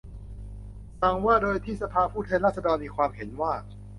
สั่งว่า โดยที่สภาผู้แทนราษฎรมีความเห็นว่า